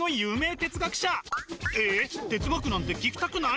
哲学なんて聞きたくない？